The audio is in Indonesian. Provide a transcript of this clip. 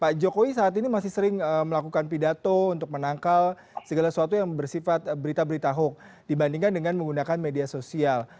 pak jokowi saat ini masih sering melakukan pidato untuk menangkal segala sesuatu yang bersifat berita berita hoax dibandingkan dengan menggunakan media sosial